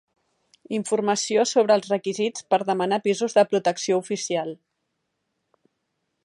Informació sobre els requisits per demanar pisos de protecció oficial.